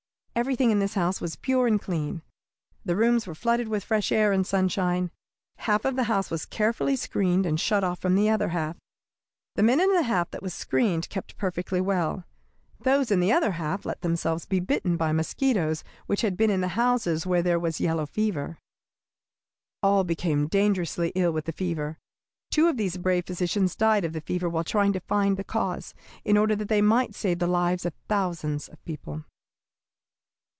Everything in this house was pure and clean. The rooms were flooded with fresh air and sunshine. Half of the house was carefully screened and shut off from the other half. The men in the half that was screened kept perfectly well. Those in the other half let themselves be bitten by mosquitoes which had been in the houses where there was yellow fever. All became dangerously ill with the fever. Two of these brave physicians died of the fever while trying to find the cause, in order that they might save the lives of thousands of people."